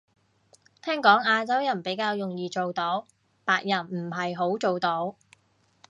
聽講亞洲人比較容易做到，白人唔係好做到